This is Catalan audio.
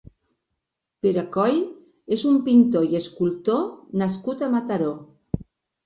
Perecoll és un pintor i escultor nascut a Mataró.